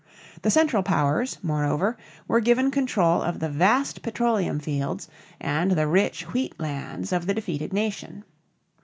The Central Powers, moreover, were given control of the vast petroleum fields and the rich wheat lands of the defeated nation.